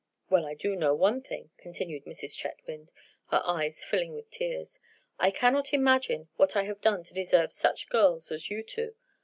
"Well, I do know one thing," continued Mrs. Chetwynd, her eyes filling with tears. "I cannot imagine what I have done to deserve such girls as you two.